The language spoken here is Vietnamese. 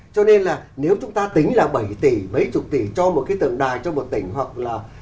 cho nên là nếu chúng ta tính là bảy tỷ mấy chục tỷ cho một cái tượng đài cho một tỉnh hoặc là